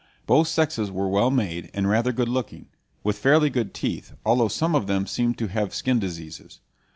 Both sexes were well made and rather good looking, with fairly good teeth, although some of them seemed to have skin diseases.